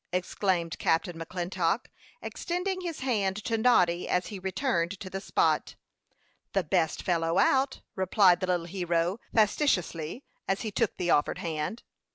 exclaimed Captain McClintock, extending his hand to Noddy as he returned to the spot. "The best fellow out," replied the little hero, facetiously, as he took the offered hand.